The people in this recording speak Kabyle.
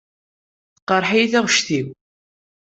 Teqreḥ-iyi taɣect-iw.